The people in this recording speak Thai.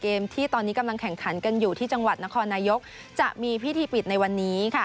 ที่ตอนนี้กำลังแข่งขันกันอยู่ที่จังหวัดนครนายกจะมีพิธีปิดในวันนี้ค่ะ